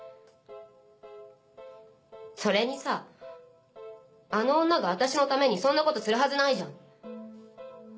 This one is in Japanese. それにさあの女が私のためにそんなことするはずないじゃん！